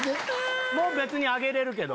別にあげれるけど。